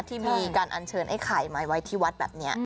ที่มีการอัญเชิญไอ้ไข่มาไว้ที่วัดแบบนี้